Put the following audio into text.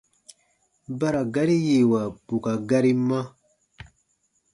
Ba ra gari yiiwa bù ka gari ma.